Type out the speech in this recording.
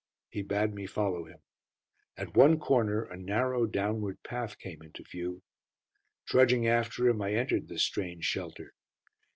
He bade me follow him. At one corner a narrow, downward path came into view. Trudging after him, I entered this strange shelter.